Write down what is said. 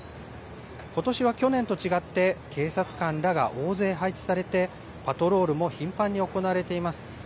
ことしは去年と違って、警察官らが大勢配置されて、パトロールも頻繁に行われています。